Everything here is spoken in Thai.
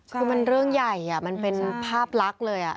คือมันเรื่องใหญ่มันเป็นภาพลักษณ์เลย